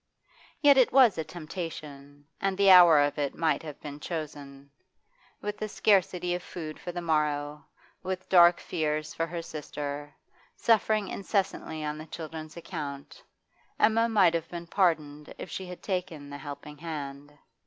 Yet it was a temptation, and the hour of it might have been chosen. With a scarcity of food for the morrow, with dark fears for her sister, suffering incessantly on the children's account, Emma might have been pardoned if she had taken the helping hand.